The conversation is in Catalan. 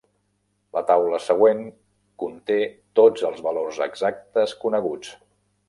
La taula següent conté tots els valors exactes coneguts.